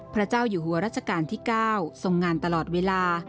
พระเจ้าอยู่หัวรัชกาลที่๙ทรงงานตลอดเวลา